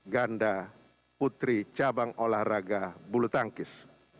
ganda putri cabang olahraga bulutangkis